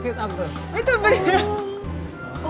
itu si tambrus